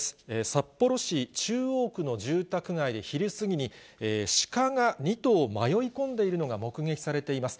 札幌市中央区の住宅街で昼過ぎにシカが２頭、迷い込んでいるのが目撃されています。